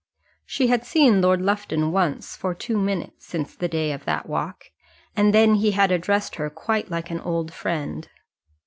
She had seen Lord Lufton once, for two minutes, since the day of that walk, and then he had addressed her quite like an old friend.